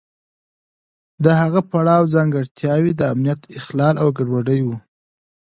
د هغه پړاو ځانګړتیاوې د امنیت اخلال او ګډوډي وه.